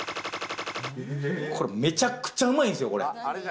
これ、めちゃくちゃうまいんすよ！